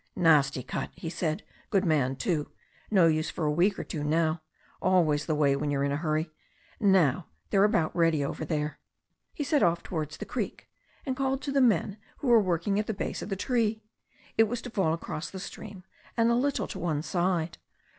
"Nasty cut," he said. "Good man, too. No use for a week or two now. Always the way when you're in a hurry. Now, they're about ready over there." He set off towards the creek, and called to the men who were working at the base of the tree. It was to fall across the stream, and a little to one side.